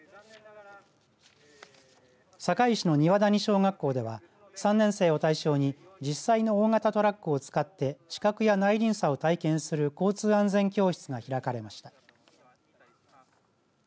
堺市の上神谷小学校では３年生を対象に実際の大型トラックを使って死角や内輪差を体験する交通安全教室が開かれました。